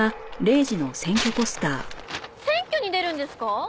選挙に出るんですか？